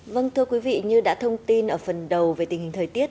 vâng thưa quý vị như đã thông tin ở phần đầu về tình hình thời tiết